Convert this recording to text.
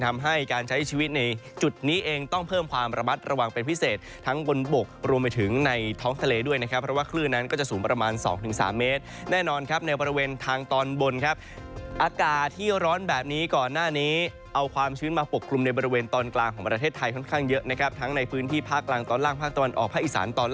ทำให้การใช้ชีวิตในจุดนี้เองต้องเพิ่มความระมัดระวังเป็นพิเศษทั้งบนบกรวมไปถึงในท้องทะเลด้วยนะครับเพราะว่าคลื่นนั้นก็จะสูงประมาณ๒๓เมตรแน่นอนครับในบริเวณทางตอนบนครับอากาศที่ร้อนแบบนี้ก่อนหน้านี้เอาความชื้นมาปกคลุมในบริเวณตอนกลางของประเทศไทยค่อนข้างเยอะนะครับทั้งในพื้นที่ภาคกลางตอนล่างภาคตะวันออกภาคอีสานตอน